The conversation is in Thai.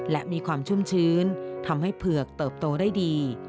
และมีความชุ่มชื้นทำให้เผือกเติบโตได้ดี